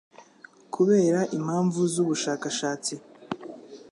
kubera impamvu z ubushakashatsi